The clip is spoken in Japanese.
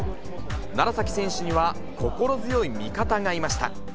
楢崎選手には心強い味方がいました。